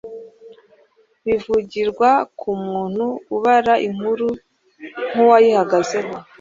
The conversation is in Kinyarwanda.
bivugirwa ku muntu ubara inkuru nk'uwayihagazeho